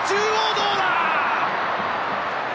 どうだ。